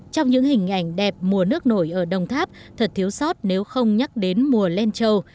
trong những hình ảnh đẹp mùa nước nổi ở đồng tháp thật thiếu sót nếu không nhắc đến mùa len trâu